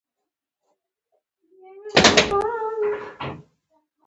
زړورتیا د بدلون سبب ګرځي.